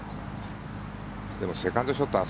でもセカンドショットあ